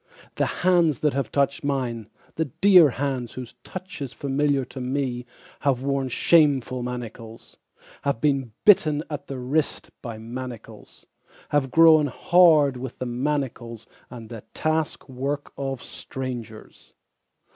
The hands that have touched mine, the dear hands whose touch Is familiar to me Have worn shameful manacles, have been bitten at the wrist by manacles, have grown hard with the manacles and the task work of strangers.